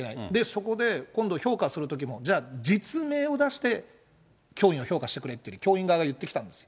そこで今度評価するときも、じゃあ、実名を出して教員を評価してくれって、教員側が言ってきたんです。